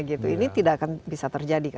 ini tidak akan bisa terjadi